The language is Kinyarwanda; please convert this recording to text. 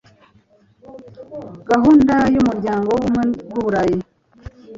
Gahunda y Umuryango w Ubumwe bw’uburayi